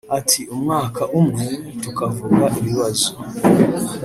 Ati “Umwaka umwe tukavuga ibibazo